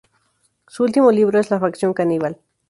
Su último libro es "La Facción Caníbal.